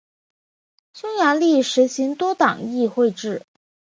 匈牙利实行多党议会制。